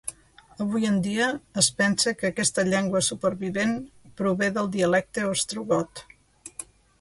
Avui en dia, es pensa que aquesta llengua supervivent prové del dialecte ostrogot.